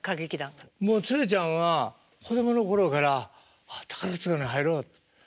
もうツレちゃんは子供の頃から「あ宝塚に入ろう」と。